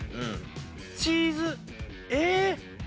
チーズええ！